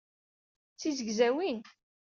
D tizegzawin.